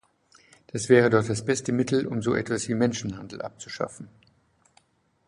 Das wäre doch das beste Mittel, um so etwas wie Menschenhandel abzuschaffen.